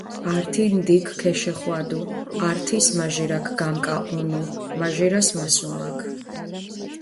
ართი ნდიქ ქეშეხვადუ, ართის მაჟირაქ გამკაჸუნუ, მაჟირას მასუმაქ.